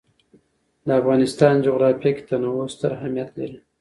د افغانستان جغرافیه کې تنوع ستر اهمیت لري.